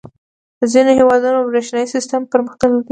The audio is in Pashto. • د ځینو هېوادونو برېښنايي سیسټم پرمختللی دی.